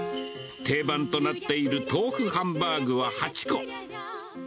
定番となっている豆腐ハンバーグは８個。